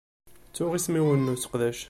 Ttuɣ isem-iw n useqdac.